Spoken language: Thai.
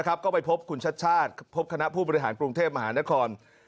ก็ไปพบคุณชาติชาติพบคณะผู้บริหารกรุงเทพมหานคร